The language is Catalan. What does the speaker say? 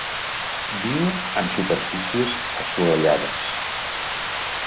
Viu en superfícies assolellades.